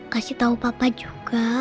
kasih tau papa juga